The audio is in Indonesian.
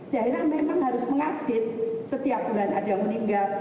jadi memang harus mengaktif setiap bulan ada yang meninggal